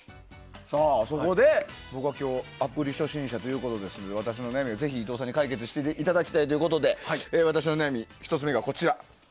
そこで僕は今日アプリ初心者ということですので私も伊藤さんに解決していただきたいということで私の１つ目がこちら。